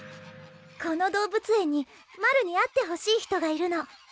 この動物園にマルに会ってほしい人がいるの。